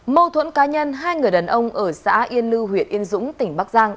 mâu thuẫn cá nhân hai người đàn ông ở xã yên lưu huyện yên dũng tỉnh bắc giang